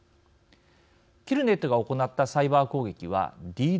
キルネットが行ったサイバー攻撃は「ＤＤｏＳ」。